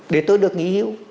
để tôi được nghĩ hiểu